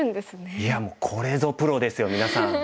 いやもうこれぞプロですよみなさん。